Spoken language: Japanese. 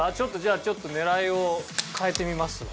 ちょっと狙いを変えてみますわ。